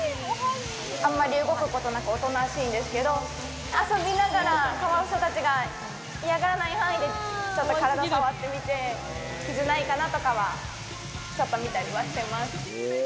あんまり動くことなく、おとなしいんですけれども、遊びながらカワウソたちが嫌がらない範囲で体を触ってみて、傷ないかなとかは見たりしてます。